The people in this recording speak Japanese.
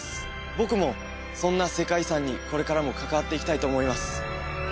僕もそんな世界遺産にこれからも関わっていきたいと思います